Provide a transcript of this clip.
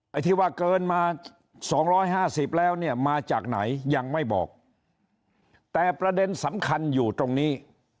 ไอ้ที่ว่าเกินมา๒๕๐แล้วเนี่ยมาจากไหนยังไม่บอกแต่ประเด็นสำคัญอยู่ตรงนี้